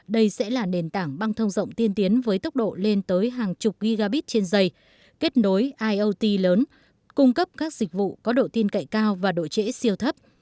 đây sẽ là nền tảng băng thông rộng tiên tiến với tốc độ lên tới hàng chục gigabit trên dây kết nối iot lớn cung cấp các dịch vụ có độ tin cậy cao và độ trễ siêu thấp